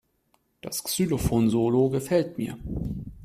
Das Xylophon-Solo gefällt mir.